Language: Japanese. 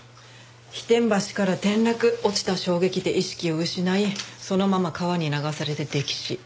飛天橋から転落落ちた衝撃で意識を失いそのまま川に流されて溺死。